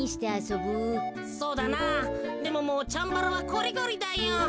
そうだなでももうチャンバラはこりごりだよ。